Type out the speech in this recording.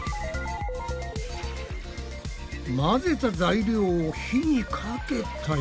混ぜた材料を火にかけたよな。